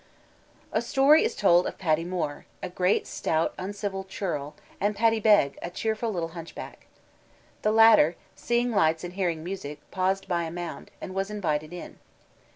A story is told of Paddy More, a great stout uncivil churl, and Paddy Beg, a cheerful little hunchback. The latter, seeing lights and hearing music, paused by a mound, and was invited in.